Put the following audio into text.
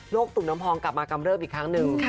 ตุ่มน้ำพองกลับมากำเริบอีกครั้งหนึ่ง